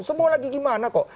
semua lagi gimana kok